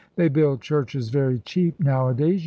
They build churches very cheap nowadays.